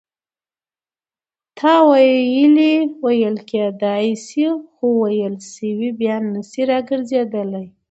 ناویلي ویل کېدای سي؛ خو ویل سوي بیا نه سي راګرځېدلای.